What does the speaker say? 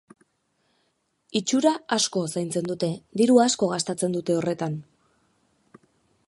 Itxura asko zaintzen dute, diru asko gastatzen dute horretan.